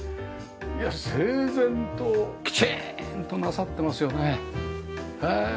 いや整然ときちんとなさってますよね。へえ。